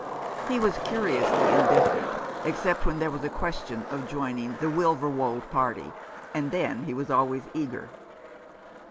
He was curiously indifferent, except when there was a question of joining the Wilverwold party, and then he was always eager.